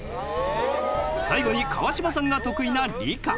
最後に川島さんが得意な理科。